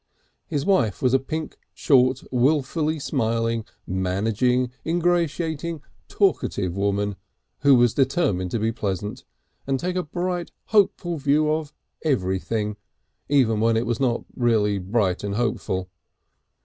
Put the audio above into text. His wife was a pink, short, wilfully smiling, managing, ingratiating, talkative woman, who was determined to be pleasant, and take a bright hopeful view of everything, even when it was not really bright and hopeful.